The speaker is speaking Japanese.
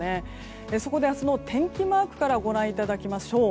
そこで明日の天気マークからご覧いただきましょう。